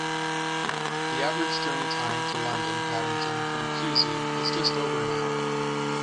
The average journey time to London Paddington from Pewsey is just over an hour.